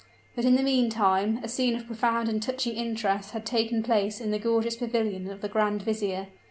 But in the meantime, a scene of profound and touching interest had taken place in the gorgeous pavilion of the grand vizier.